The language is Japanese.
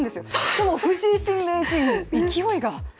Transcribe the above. でも藤井新名人、勢いが。